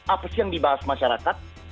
apa sih yang dibahas masyarakat